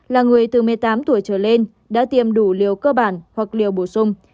là người từ một mươi tám tuổi trở lên đã tiêm đủ liều cơ bản hoặc liều bổ sung